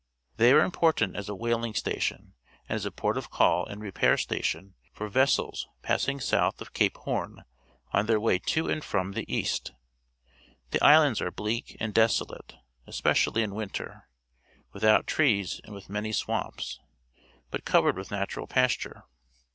They are important as a whaling station and as a port of call and repair station for vessels passing south of Ca])e Horn on their way to and from the East. The islands are bleak and desolate, especially in winter, without trees and with many swamps, but covered with natural pasture.